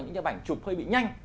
những cái ảnh chụp hơi bị nhanh